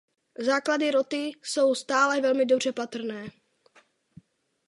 Základy roty jsou stále velmi dobře patrné.